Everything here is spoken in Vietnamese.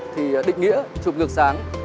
thì định nghĩa chụp ngược sáng